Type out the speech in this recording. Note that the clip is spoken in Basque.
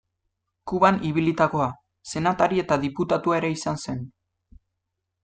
Kuban ibilitakoa, senatari eta diputatua ere izan zen.